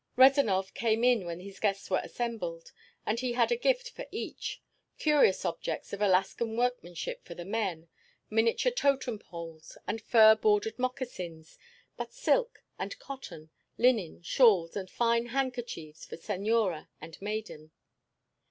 Rezanov came in when his guests were assembled, and he had a gift for each; curious objects of Alaskan workmanship for the men, miniature totem poles and fur bordered moccasins; but silk and cotton, linen, shawls, and find handkerchiefs for senora and maiden.